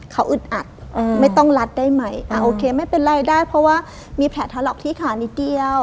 เขาอึดอัดไม่ต้องรัดได้ไหมโอเคไม่เป็นไรได้เพราะว่ามีแผลถลอกที่ขานิดเดียว